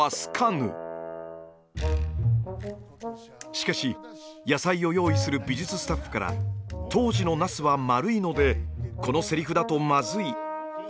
しかし野菜を用意する美術スタッフから当時のナスは丸いのでこのセリフだとまずいと声が上がる。